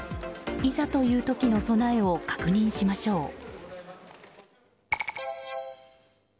いざという時の備えを確認しましょう。